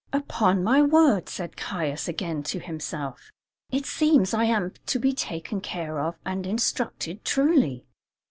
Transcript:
"Upon my word!" said Caius again to himself, "it seems I am to be taken care of and instructed, truly."